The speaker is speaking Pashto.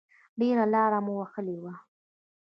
ډېره لاره مو وهلې وه.